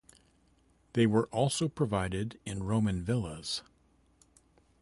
They were also provided in Roman villas.